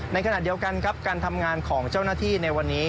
ในขณะเดียวกันการทำงานของเจ้านาฏฐีในวันนี้